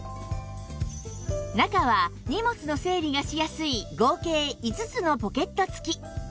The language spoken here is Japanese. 中は荷物の整理がしやすい合計５つのポケット付き